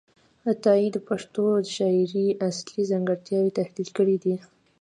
عطايي د پښتو د شاعرۍ اصلي ځانګړتیاوې تحلیل کړې دي.